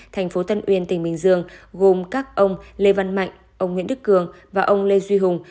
thành phố tân uyên tỉnh bình dương gồm các ông lê văn mạnh ông nguyễn đức cường và ông lê duy hùng